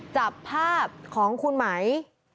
จับภาพของคุณไหม